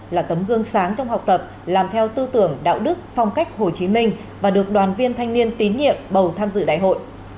là tấm gương sáng trong học tập làm theo tư tưởng đạo đức phong cách hồ chí minh và được đoàn viên thanh niên tín nhiệm bầu tham dự đại hội